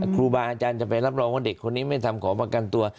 ครูบาอาจารย์จะไปรับรองว่าเด็กคนนี้ไม่ทำขอประกันตัว